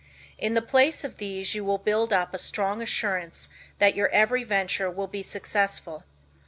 In the place of these you will build up a strong assurance that your every venture will be successful.